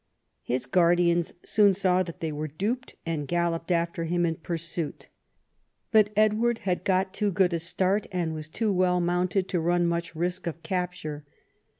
His guardians soon saw that they were duped, and galloped after him in pursuit. But Edward had got too good a start and was too well mounted to run much risk of capture.